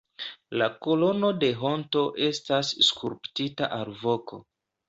La Kolono de Honto estas skulptita alvoko.